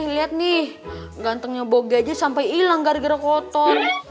lihat nih gantengnya boga aja sampai hilang gara gara kotor